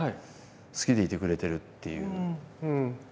好きでいてくれてるっていう。